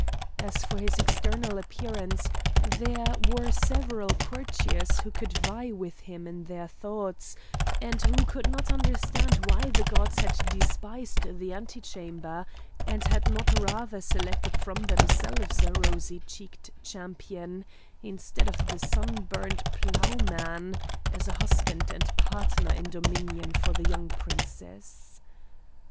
As for his external appearance there were several courtiers who could vie with him in their thoughts, and who could not understand why the gods had despised the anti chamber and had not rather selected from themselves a rosy cheeked champion instead of the sun burnt ploughman, as a husband and partner in dominion for the young princess.